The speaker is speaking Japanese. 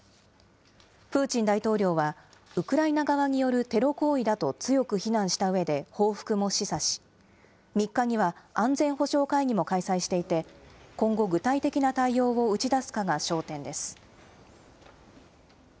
プーチン大統領はウクライナ側によるテロ行為だと強く非難したうえで報復も示唆し、３日には安全保障会議も開催していて、今後、具体的な対応を打ち出すかが焦点です。